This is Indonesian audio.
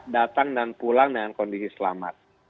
datang dan pulang dengan kondisi selamat